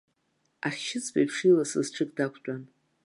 Ахьшьыцба еиԥш иласыз ҽык дақәтәан.